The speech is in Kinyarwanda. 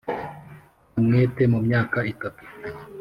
Nyamwete mu myaka itatu